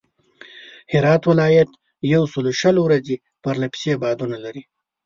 هرات ولایت یوسلوشل ورځي پرله پسې بادونه لري.